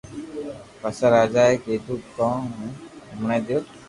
پسي راجا اي ڪيدو ڪو ھون ھمڙي ديو